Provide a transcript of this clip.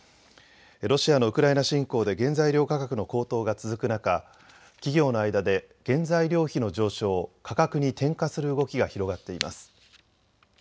ロシアのウクライナ侵攻で原材料価格の高騰が続く中、企業の間で原材料費の上昇を価格に転嫁する動きが広がっています。